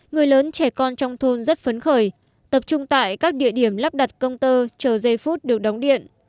người lớn trẻ con trong thôn rất phấn khởi tập trung tại các địa điểm lắp đặt công tơ chờ giây phút được đóng điện